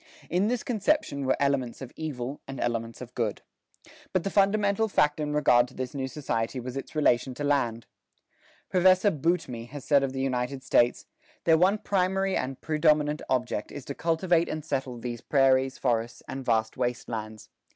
In this conception were elements of evil and elements of good. But the fundamental fact in regard to this new society was its relation to land. Professor Boutmy has said of the United States, "Their one primary and predominant object is to cultivate and settle these prairies, forests, and vast waste lands.